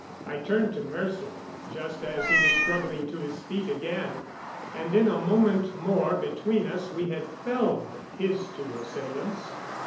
I turned to Mercer just as he was struggling to his feet again, and in a moment more between us we had felled his two assailants.